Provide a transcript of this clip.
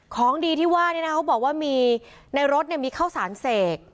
ของดีที่ว่านี่นะเขาบอกว่ามีในรถมีข้าวสารเสก